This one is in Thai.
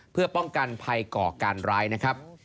เพื่อป้องกันภัยก่อการร้ายนะครับ